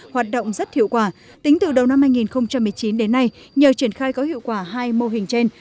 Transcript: hoạt động rất hiệu quả tính từ đầu năm hai nghìn một mươi chín đến nay nhờ triển khai có hiệu quả hai mô hình trên